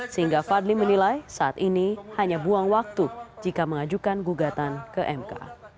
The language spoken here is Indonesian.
sehingga fadli menilai saat ini hanya buang waktu jika mengajukan gugatan ke mk